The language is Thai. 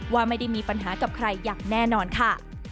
ว่าไม่ได้มีปัญหากับใครอย่างแน่นอนค่ะ